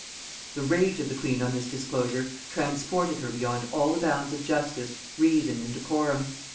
The rage of the queen on this disclosure transported her beyond all the bounds of justice, reason, and decorum.